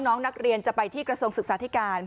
น้องนักเรียนจะไปที่กระทรวงศึกษาธิการ